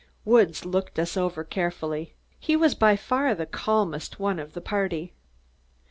Woods looked us over carefully. He was by far the calmest one of the party.